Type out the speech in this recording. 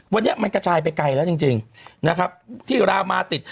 วันนี้มันกระชายไปไกลแล้วจริงที่ลามติด